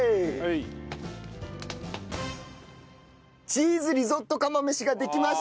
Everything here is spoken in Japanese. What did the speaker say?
チーズリゾット釜飯ができました。